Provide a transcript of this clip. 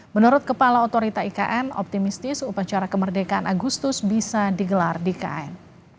menurut kepala otorita ikn optimistis upacara kemerdekaan agustus bisa digelar di kn